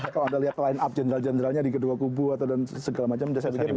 kalau anda lihat line up jenderal jenderalnya di kedua kubu dan segala macam